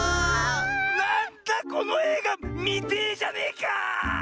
なんだこのえいがみてえじゃねえか！